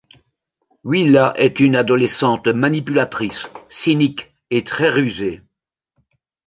Willa est une adolescente manipulatrice, cynique et très rusée.